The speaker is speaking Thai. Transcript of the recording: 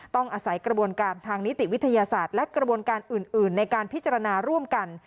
ต้องอาศัยกระบวนการทางนิติวิทยาศาสตร์และกระบวนการอื่นในการพิจารณาร่วมกัน